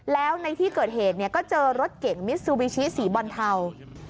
แล้วในที่เกิดเหตุก็เจอรถเก่งมิซูบิชิสีบอลเทา